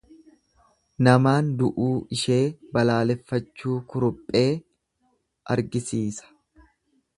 Namaan du'uu ishee balaaleffachuu kuruphee argisiisa.